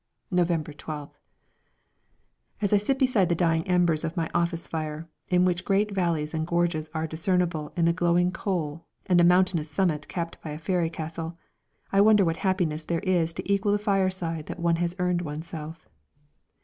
November 12th. As I sit beside the dying embers of my office fire, in which great valleys and gorges are discernible in the glowing coal and a mountainous summit capped by a fairy castle, I wonder what happiness there is to equal the fireside that one has earned oneself.